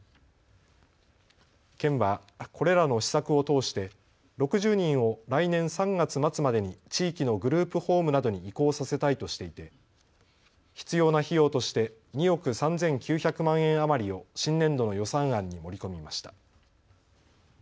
県はこれらの施策を通して６０人を来年３月末までに地域のグループホームなどに移行させたいとしていて必要な費用として２億３９００万円余りを新年度の予算案に盛り込みました。